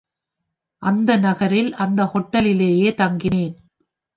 அந்த நகரில், அந்த ஹோட்டலிலேயே தங்கினேன்..